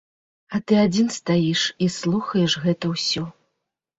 А ты адзін стаіш і слухаеш гэта ўсё.